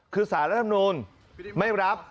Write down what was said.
คือสารรัฐมนูลไม่รับ